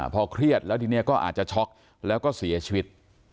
พอเครียดแล้วทีนี้ก็อาจจะช็อกแล้วก็เสียชีวิต